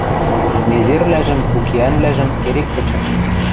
Незервлӓжӹм, укеӓнвлӓжӹм керек кычы.